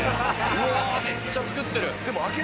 うわめっちゃ作ってる！